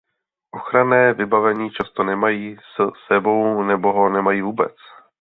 Ochranné vybavení často nemají s sebou nebo ho nemají vůbec.